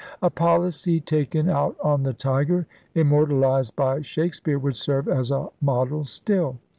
A policy taken out on the Tiger immortalized by Shakespeare would serve as a model still.